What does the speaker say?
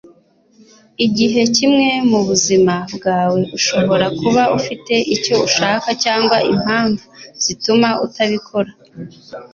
Igihe kimwe mu buzima bwawe ushobora kuba ufite icyo ushaka cyangwa impamvu zituma utabikora.”